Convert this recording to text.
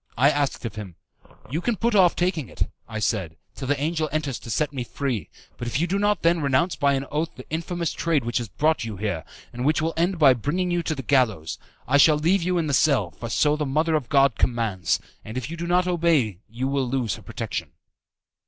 I asked of him, "You can put off taking it," I said, "till the angel enters to set me free; but if you do not then renounce by an oath the infamous trade which has brought you here, and which will end by bringing you to the gallows, I shall leave you in the cell, for so the Mother of God commands, and if you do not obey you will lose her protection."